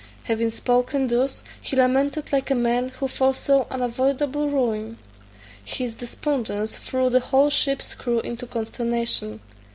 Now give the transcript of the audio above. Having spoken thus, he lamented like a man who foresaw unavoidable ruin; his despondence threw the whole ship's crew into consternation.